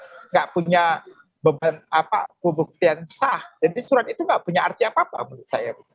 tidak punya beban pembuktian sah jadi surat itu nggak punya arti apa apa menurut saya